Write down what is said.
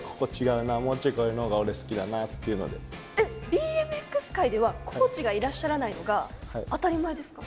ＢＭＸ界ではコーチがいらっしゃらないのが当たり前ですか？